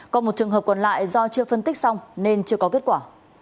còn một trường hợp còn lại do chưa phân tích xong nên chưa có kết quả